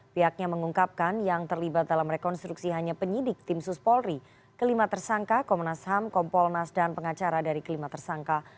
pihaknya mengungkapkan yang terlibat dalam rekonstruksi hanya penyidik tim suspolri kelima tersangka komnas ham kompolnas dan pengacara dari kelima tersangka